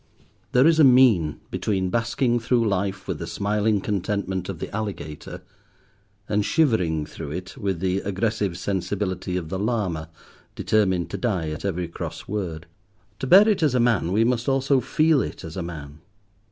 There is a mean between basking through life with the smiling contentment of the alligator, and shivering through it with the aggressive sensibility of the Lama determined to die at every cross word. To bear it as a man we must also feel it as a man.